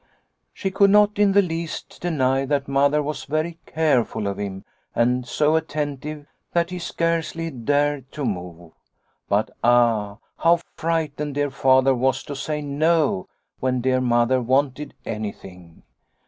She could not in the least deny that Mother was very careful of him and so attentive that he scarcely dared to move. But ah, how frightened dear Father was to say 'no,' when dear Mother wanted anything.